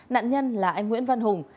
nạn nhân là anh nguyễn văn hùng